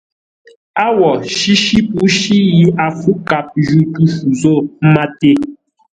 Â wo! Shíshí pǔshí yi a fǔ kap jǔ tû shû zô máté.